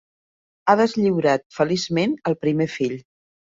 Ha deslliurat feliçment el primer fill.